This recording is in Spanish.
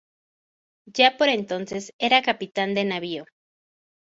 Ya por entonces era capitán de navío.